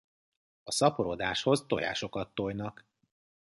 A szaporodáshoz tojásokat tojnak.